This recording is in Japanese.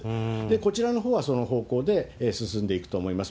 こちらのほうはその方向で進んでいくと思います。